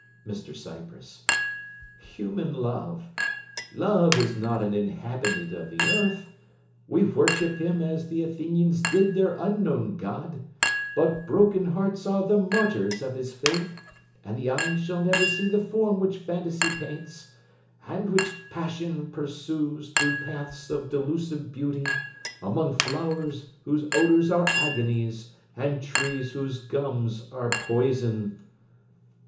MR CYPRESS Human love! Love is not an inhabitant of the earth. We worship him as the Athenians did their unknown God: but broken hearts are the martyrs of his faith, and the eye shall never see the form which phantasy paints, and which passion pursues through paths of delusive beauty, among flowers whose odours are agonies, and trees whose gums are poison.